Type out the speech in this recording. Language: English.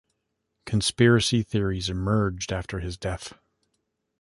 Conspiracy theories emerged after his death.